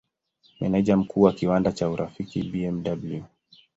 Meneja Mkuu wa kiwanda cha Urafiki Bw.